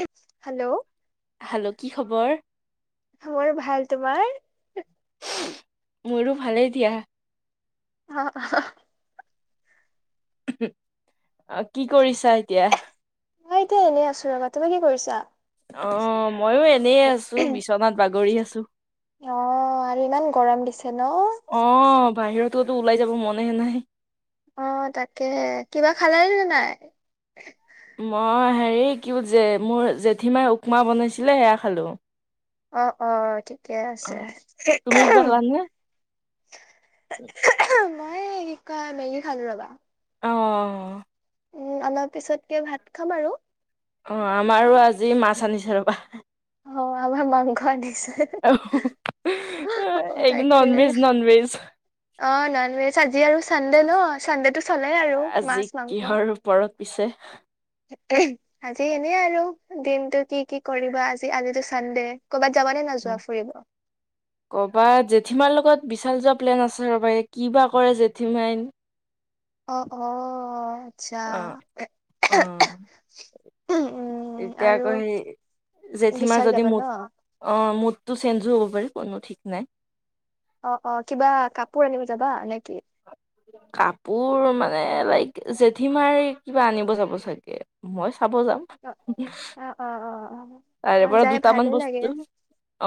[inaudible] Hello, hello, কি খবৰ? মোৰ ভাল, তোমাৰ? মোৰো, ভালেই দিয়া। অ, [inaudible] উম, কি কৰিছা এতিয়া? মই এতিয়া এনেই আছো ৰ'বা, তুমি কি কৰিছা? অ, মইও এনেই আছো, বিচনাত বাগৰি আছো। অ', আৰু ইমান গৰম দিছে ন। অ', বাহিৰততো ওলাই যাব মনেহে নাই! অ', তাকেহে কিবা খালা ন নাই? মই হেৰি কি যে মোৰ জেঠীমাই উকমা বনাইছিলে সেয়া খালোঁ। অ', অ', ঠিকে আছে। অ' তুমি কিবা খালানে? মই কি কয় মেগী খালো ৰবা। অ', অ',। উম অলপ পিছতকে ভাত খাম আৰু। অ', আমাৰো আজি মাছ আনিছে ৰ'বা। অ', আমাৰ মাংস আনিছে। অ এই তাকে নন ভেজ নন ভেজ। অ', নন ভেজ আজি আৰু চানডে ন! চানডে টো চলেই আৰু আজি মাছ মাংস। কিহৰ ওপৰত পিছে? আজি এনেই আৰু দিনতটো কি কি কৰিবা আজি আজিতো চানডে। কৰ'বাত যাব নে নাযোৱা ফুৰিব? কবাত, জেঠীমাৰ লগত বিশাল যোৱা প্লেন আছে ৰ'বা কি বা কৰে জেঠীমাই। অ', অ', আচ্ছা। অ' অ', উম এতিয়া আৰু আকৌ সেই জেঠীমাৰ বিশাল যদি যাবা ন? মুদ। অ', মুড টো চেঞ্জো হ'ব পাৰে কোনো ঠিক নাই। অ', অ', কিবা কাপোৰ আনিব যাবা নেকি? কাপোৰ মানে লাইক জেঠি মাৰ কিবা আনিব যাব চাগে। মই চাব যাম অ অ অ অ অ তাৰে পৰা যাই ভালে দুটামান লাগে বস্তু।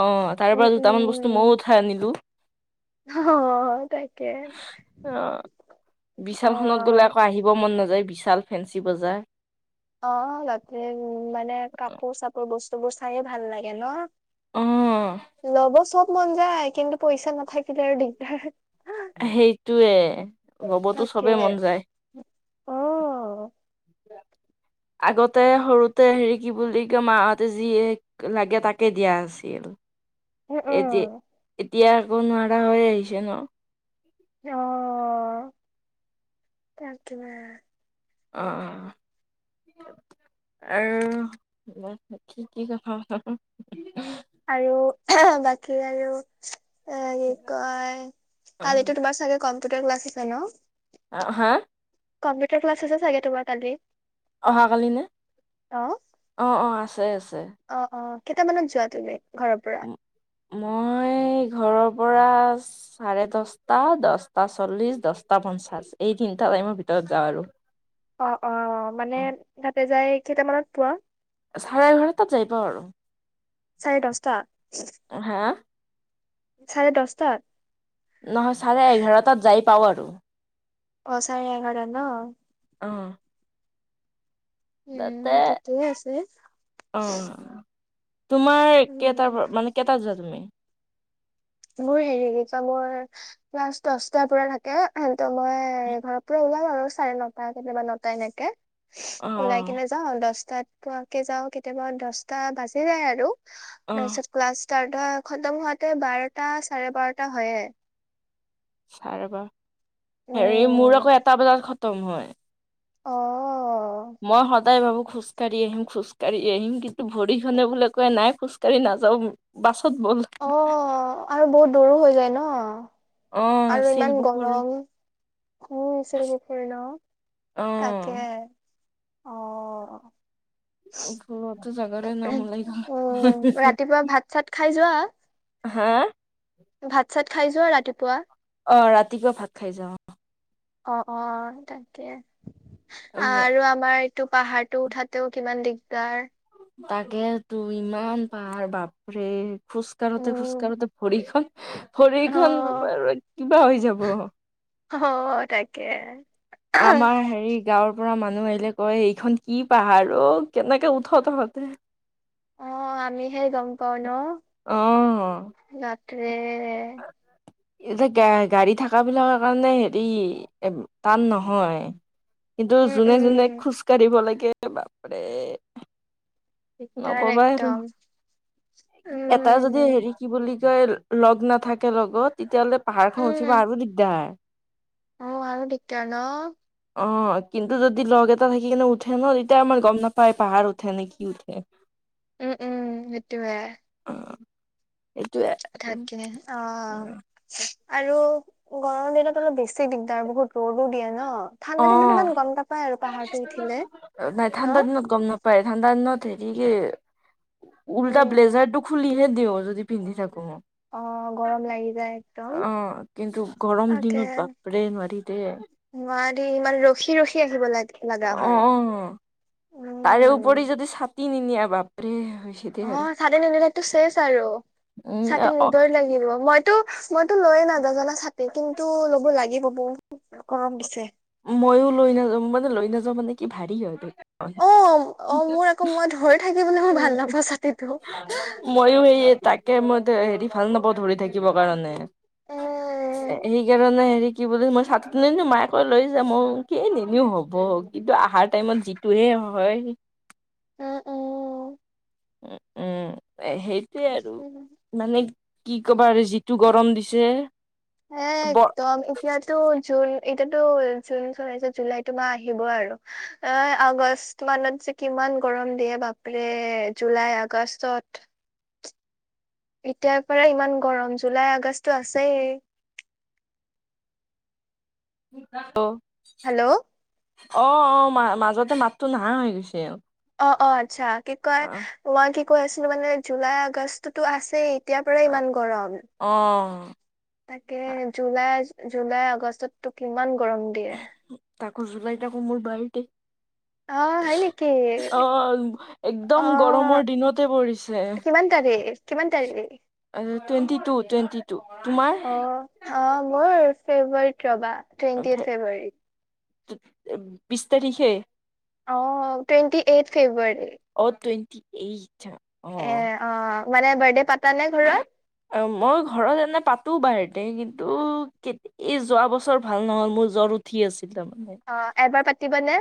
অ', তাৰ উম পৰা দুটামান বস্তু উম মইয়ো উঠাই আনিলো। অ', তাকে। অ', অ বিশালখনত গ'লে আকৌ আহিব মন নাযায় বিশাল ফেঞ্চি বজাৰ। অ', মানে কাপোৰ চাপোৰ বস্তু বোৰ চাইে ভাল লাগে ন! অ', লব চব মন যায় কিন্তু পইচা নাথাকিলে আৰু দিগদাৰ। সেইটোয়ে ল'বতো চবে তাকে মন যায়। অ',। আগতে সৰুতে হেৰি কি বুলি কয় মাৰতে যি। লাগে তাকে দিয়া আছিল। উম, এতি উম, এতিয়া আকৌ নোৱাৰা হৈ আহিছে ন! অ', তাকে। অ। আৰু কি কি কথা [unintelligible] আৰু অহ বাকী আৰু। এ কি কয় অ', কালিতো তোমাৰ চাগে কম্পিউটাৰ ক্লাছ আছে ন? অ হা। কম্পিউটাৰ ক্লাছ আছে চাগে তোমাৰ কালি। অহাকালি নে! অ', অ অ আছে আছে। অ অ কেইটামানত যোৱা তুমি ঘৰৰ পৰা। মই ঘৰৰ পৰা। চাৰে দছটা, দছটা চল্লিছ, দছটা পঞ্চাছ এই তিনিটা টাইমৰ ভিতৰত যাওঁ আৰু। অ অ মানে তাতে যাই কেইটামানত পোৱা? চাৰে এঘাৰ তাত যাই পাওঁ আৰু। চাৰে দশটা হা চাৰে দছটাত নহয় চাৰে এঘাৰটাত যাই পাওঁ আৰু অ', চাৰে এঘাৰটাত ন অ', তাতে উম', ঠিকেই আছে। অ', তোমাৰ উম, কেইটাৰ পৰা মানে কেইটাত যোৱা তুমি মোৰ হেৰি [unintelligible] ক্লাছ দচটাৰ পৰা থাকে। সিহতো মই ঘৰ পৰা ওলাম আৰু চাৰে নটা কেতিয়াবা ন তেনেকে অ', ওলাই অ', কিনে যাও দচটাত পোৱাকে যাওঁ। কেতিয়াবা দচটা বাজি যায় আৰু অ'। তাৰপিছত ক্লাছ ষ্টাৰ্ট হৈ খতম হোৱাতে বাৰটা চাৰে বাৰটা হয়য়ে। চাৰেব হেৰি মোৰ উম আকৌ এটা বজাত খতম হয়। অ', মই সদ দাই ভাবু খোজ কাঢ়ি আহিম। খোজকাঢ়ি আহিম। কিন্তু ভৰিখনে বুলো কয় নাই খোজকাঢ়ি নাজাও। বাছত বল অ', আৰু বহুত দূৰো হৈ যায় ন অ আৰু ইমান শিলপুখুৰী গৰম [unintelligible] ছিল পখুৰী ন অ তাকে অ [unintelligible] জাগাৰে নাম ওলাই উম গল ৰাতিপুৱা ভাত চাত খাই যোৱা হা ভাত চাত খাই যোৱা ৰাতিপুৱা? অ', ৰাতিপোৱা ভাত খাই যাওঁ অ, অ', অ, তাকে উম আৰু আমাৰ টো পাহাৰতটো উঠাতেও কিমান দিগদাৰ তাকে তো ইমান পাহাৰ বাপৰে খোজকাঢ়োতে উম খোজকাঢ়োতে ভৰিখন অ ভৰিখন ৰব আৰু কিবা হৈ যাব। অ', তাকেই আমাৰ হেৰি গাঁৱৰ পৰা মানুহ আহিলে কয়। এইখন কি পাহাৰ অ, কেনেকে উঠ তহঁতে অ', আমিহে গম পাও ন অ', তাকে হে এতিয়া গা গাড়ী থাকাবিলাকৰ কাৰণে হেৰি এ টান নহয় কিন্তু উম যোনে উম যোনে খোজ কাঢ়িব লাগে বাপৰে। দিগদাৰ নকবাই আৰু একদম এটা যদি উম হেৰি কি বুলি কয়? লগ নাথাকে লগত তেতিয়াহ'লে পাহাৰখন উঠিব উম আৰু দিগদাৰ। অ', আৰু দিকদাৰ ন? অ', কিন্তু যদি লগ এটা থাকি কিনে উঠে ন তেতিয়া আমাৰ গম নাপায় পাহাৰ উঠে নে কি উঠ এ', উম', উম, সেইটোৱে অ', এটোৱে থাকে, অ' আৰু গৰমৰ দিনত অলপ বেছি দিগদাৰ, বহুত ৰ'দো দিয়ে ন'। অ', ঠাণ্ডা দিনত ইমান গম নাপায় আৰু পাহাৰটো উঠিলে নাই ন? ঠাণ্ডাৰ দিনত গম নাপ [unintelligible] ঠাণ্ডাৰ দিনত হেৰিকে উল্টা উম। ব্লেজাৰটো খুলিহে দিওঁ, যদি পিন্ধি থাকো। অ', অ' গৰম লাগি যায় একদম। কিন্তু গৰম তাকে দিনত বাপৰে নোৱাৰি দেই। নোৱাৰি, ইমান ৰখি ৰখি আহিব লাগ, লগা অ হয়। অ তাৰে উপৰি উম যদি চা টি নিনিয়া, বাপৰে হৈছ অ', ছাতি নিনিলেটো চেচ আৰু, উম ছাতি অ নিবই লাগিব, মই টো, মইতো লৈয়েই নাজাও জানা ছাতি, কিন্তু ল'ব লাগিব, বহু গৰম দিছে। মইও লৈ নাযাওঁ, মানে লৈ নাযাওঁ মানে কি ভাৰী হয় বেগ। অ', অ', মোৰ আকৌ, মই ধৰি থাকিবলৈ মই ভাল নাপাওঁ, ছাতিটো। মইও সেয়ে তাকেই মই হেৰি ভাল নাপাওঁ, ধৰি থাকিব কাৰণে। উম সেইকাৰণে হেৰি কি বুলি? মই ছাত নিনো, মায়ে কই লৈ যা, মই কি এই নিনিও হ'ব, কিন্তু অহাৰ টাইমত যিটোহে হয়। উম, উম। উ-উম, এই সেইটোৱেই আৰু। উম। মানে কি কবা আৰু? যিটো গৰম দিছে। এই ব একদম এতিয়াতো জুন, এতিয়াতো জুন চলি আছে, জুলাইতো মাহ আহিব আৰু। এ আগষ্ট মানত যে কিমান গৰম দিয়ে বাপৰে, জুলাই আগষ্টত এতিয়াৰ পৰা ইমান গৰম, জুলাই আগষ্টটো আছেই। অ'। হেল্ল'। অ', অ', মা-মাজতে মাতটো নাহা হৈ গৈছে আৰু। অ', অ', আচ্ছা, কি কয়, মই কি কৈ আছিলো মানে? জুলাই আগষ্টতো আছেই। এতিয়াৰ পৰাই ইমান গৰম। অ', তাকেই জুলাই, জুলাই আগষ্টতটো কিমান গৰম দিয়ে। তাকো জুলাইত আকৌ মোৰ বাৰ্থদে। অ হয় নেকি অ', অ একদম গৰমৰ দিনতে পৰিছে। কিমান তাৰিখ কিমান তাৰিখ? টুৱেণ্টি টু, টুৱেণ্টি টু, তোমাৰ? অ', অ', মোৰ? ফেব্ৰুৱাৰীত ৰ'বা, টুৱেণ্টি এইট ফেব্ৰুৱাৰীত। বিছ তাৰিখে। অ', টুৱেণ্টি এইট ফেব্ৰুৱাৰী। অ', টুৱেণ্টি এইট। এ, অ', অ', মানে বাৰ্থডে পাতা নে ঘৰত? আৰু মই ঘৰত এনে পাতো বাৰ্থদে, কিন্তু কে এই যোৱা বছৰ ভাল নহ'ল, মোৰ জ্বৰ উঠি আছিল তাৰমানে। অ', এইবাৰ পাতিবানে?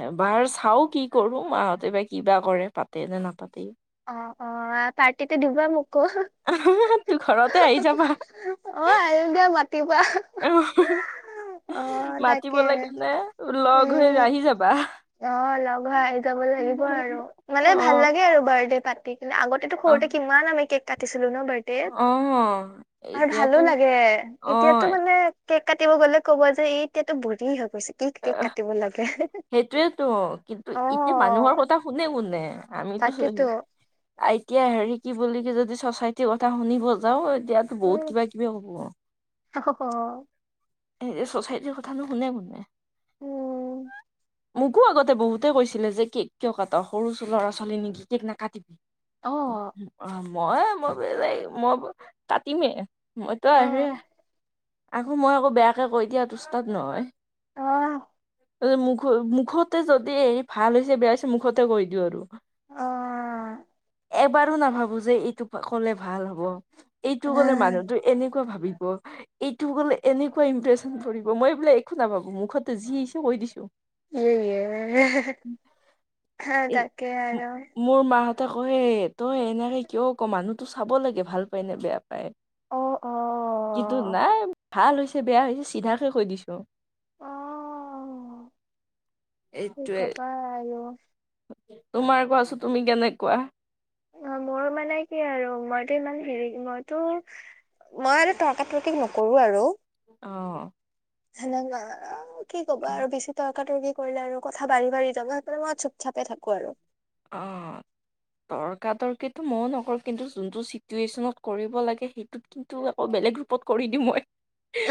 এইবাৰ চাওঁ কি কৰে? মাহতে বা কি বা কৰে? পাতেই নে নাপাতে? অ', অ', পাৰ্টিতো দিবা মোকো। [unintelligible] তো ঘৰতেই আহি যাবা। অঁ! আহিম দিয়া মাতিবা। [unintelligible] অ', মাতিব তাকে লাগে নে লগ হৈ আহি যাবা। অঁ! লগ হৈ আহি যাব লাগিব আৰু মানে ভাল অ', লাগে আৰু বাট বাৰ্থডে পাতি কিনে। আগতেটো অ', সৰুতে কিমান আমি কেক কাটিছিলো ন বাড দেত [unintelligible] অ', আৰু ভালো এতিয়াতো লাগে অ', এতিয়াতো মানে কেক কাটিব গ'লে ক'ব যে এই এতিয়াতো বুঢ়ী হৈ গৈছে। কি কেক [unintelligible] কাটিব লাগে সেইটোৱেইতো কিন্তু অ এতিয়া মানুহৰ কথা কোনে শুনে? আমিতো চ তাকেতো [unintelligible] তিয়া হেৰি কি বুলি কি যদি চচাইটিৰ কথা শুনিব যাওঁ এতিয়াতো বহুত কিবাকিবি ক'ব। অহ হহ [unintelligible] এই চচাইটিৰ কথানো কোনে শুনে। উম। মোকো আগতে বহুতে কৈছিলে যে কেক কিয় কাট? সৰু ল'ৰা-ছোৱালী নেকি কেক নাকাটিবি। অ [unintelligible] মই-মই বেলেগ মই কাটিমেই মইতো অ আৰে আকৌ মই আকৌ বেয়াকে কৈ দিয়াত উষ্টাদ নহয়। অহ। তাৰপিছত মুখ-মুখতে যদি হেৰি ভাল হৈছে, বেয়া হৈছে মুখতে কৈ দিওঁ আৰু। অ এবাৰো নাভাবো যে এইটো ক'লে ভাল হ'ব। এইটো ক'লে উ মানুহটোৱে এনেকুৱা ভাবিব। এইটো ক'লে এনেকুৱা ইমপ্ৰেচন পৰিব, মই এইবিলাক একো নাভাবো মুখতে যি আহিছে কৈ দিছোঁ। এই ইয়ে [unintelligible] হা! এই তাকে ম- আৰু। মোৰ মাহঁতে কয়েই তই এনেকে কিয় ক মানুহটো চাব লাগে ভাল পায় নে বেয়া পায়। অঁ-অঁ! কিন্তু নাই ভাল হৈছে, বেয়া হৈছে চিধাকে কৈ দিছোঁ। তো এইটোয়ে কবায়ে আৰু। তোমাৰ কোৱাছো তুমি কেনে কোৱা? অঁ মোৰ মানে কি আৰু মইতো ইমান হেৰি মইতো মই আৰু তৰ্কা-তৰ্কি নকৰো আৰু। অঁ। সেনে কোৱা [unintelligible] কি ক'বা আৰু বেছি ত তৰ্কা-তৰ্কি কৰিলে আৰু কথা বাঢ়ি-বাঢ়ি যাব। সেইকাৰণে মই চুপ-চাপে থাকোঁ আৰু। অঁ! তৰ্কা-তৰ্কিটো মইও নকৰোঁ, কিন্তু যোনটো চিটুৱেচনত কৰিব লাগে সেই সেইটোতো আকৌ বেলেগ ৰূপত কৰি দিওঁ মই।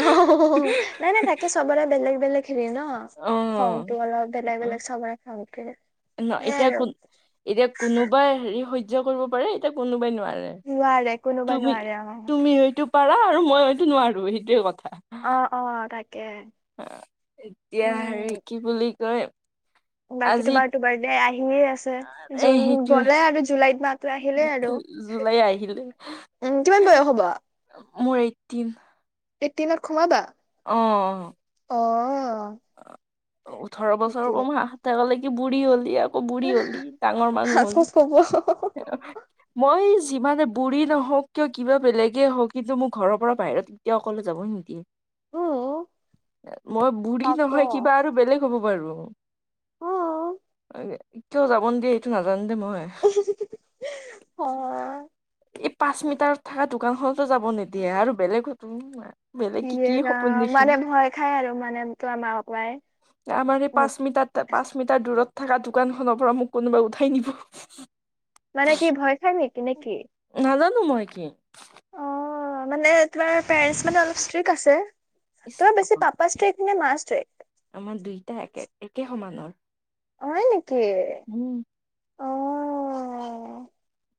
অঁ [unintelligible] নাই-নাই থাকে সবৰে বেলেগ-বেলেগ। হেৰি ন অ খঙটো অলপ বেলেগ-বেলেগ সবৰে খঙ উঠে। নহ এতিয়া কোন এতিয়া কোনোবাই হেৰি সহ্য কৰিব পাৰে, এতিয়া কোনোবাই নোৱাৰে। নোৱাৰে কোনোবা নোৱাৰে তুমি-তুমি হয়তো পাৰা আৰু মই হয়তো নোৱাৰো সেইটোৱেই কথা। অঁ-অঁ! তাকে। [unintelligible] এতিয়া হেৰি উম কি বুলি কয় বাকী আজি তোমাৰতো বাৰ্থডে আহিয়ে আছ ছে। এ জুন সেইটোৱে গ'লে আৰু জুলাইত মাহটো আহিলেই আৰু। জুলাই আহিলে উম! কিমান বয়স হ'ব? মোৰ এইট্টিন। এইট্টিনত সোমাবা। অ', অ', অ', ওঠৰ বছৰৰ পৰা সেইটোৱে মই অহাতলৈকে বুঢ়ী হ'লি আৰু। ক বুঢ়ী হলি, ডাঙৰ মানুহ হলি। আকৌ ক'ব তেনেকুৱাই- মই যিমানে বুঢ়ী নহওঁক কিয়, কিবা বেলেগেই হওঁক। কিন্তু মোৰ ঘৰৰ পৰা বাহিৰত কেতিয়াও অকলে যাবই নিদিয়ে। উম্, মই বুঢ়ী নহয়, কিবা আৰু বেলেগ হ'ব পাৰোঁ। অ'। কিয় যাব নিদিয়ে, এইটো নাজানোঁ দে মই। হয়। এই পাঁচ মিটাৰত থকা দোকানখনতো যাব নিদিয়ে আৰু বেলেগটো ইয়ে ৰাম, মানে ভয় খায় আৰু মানে তোমাৰ মা-পাপায়ে। তাৰমানে, পাঁচ মিটাৰতে পাঁচ মিটাৰ দূৰত থকা দোকানখনৰ পৰা মোক কোনোবাই উঠাই নিব। মানে কি? ভয় খায় নেকি? নে নেকি? নাজানোঁ মই কি? তোমাৰ মানে, তোমাৰ পেৰেণ্টছ স্ত্ৰিক্ট আছে। ইচ তোমাৰ বেছি পাপা স্ত্ৰিক্ট নে মা স্ত্ৰিক্ট? আমাৰ দুইটা একে, একে সমানৰ। হয় নেকি? উম্। অ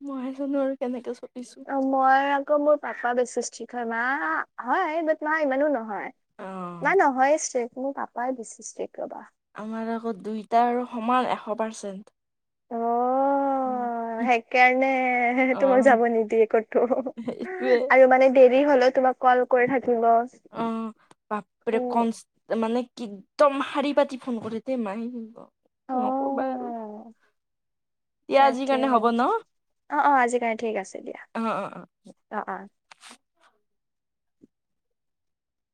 মইহে জানোঁ আৰু কেনেকে চলিছোঁ। অ মই আকৌ, মোৰ পাপা বেছি স্ত্ৰিক হয়, মা হয়। মা ইমানো নহয়, অ মা নহয় ষ্ট্ৰিক্ট। মোৰ পাপাই বেচি ষ্ট্ৰিক্ট ৰ'বা। আমাৰ আকৌ দুইটাৰ আৰু সমান, এশ পাৰ্চেণ্ট। অ'। অ', সেইকাৰণে অ তোমাক যাব নিদিয়ে কতো সেইটোৱে আৰু মানে- দেৰি হ'লেও তোমাক কল কৰি থাকিব। অ'। বাপৰে উম, কম ষ্টী মানে একদম শাৰী পাতি ফোন কৰে দে মায়ে। নক'বা আৰু। দিয়া আজিৰ কাৰণে তাকেহে। হ'ব ন অ', অ' আজি বাই, ঠিক আছে, দিয়া। অ অ অ অ', অ'।